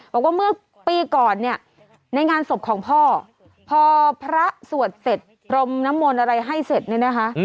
บอกว่าเมื่อปีก่อนในงานศพของพ่อพอพระสวดเสร็จพรมน้ำมนต์อะไรให้เสร็จ